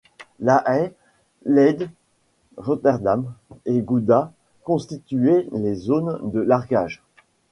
La Haye, Leyde, Rotterdam et Gouda constituaient les zones de largage.